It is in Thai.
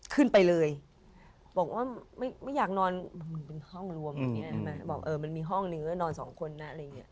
ขึ้นไปเลยกลับบอกว่าไม่ไม่อยากนอนนอนสองคนนะ